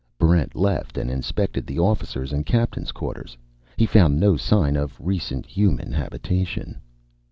Barrent left and inspected the officers' and captain's quarters. He found no sign of recent human habitation.